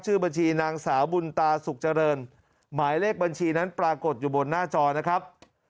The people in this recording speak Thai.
บัญชีนางสาวบุญตาสุขเจริญหมายเลขบัญชีนั้นปรากฏอยู่บนหน้าจอนะครับ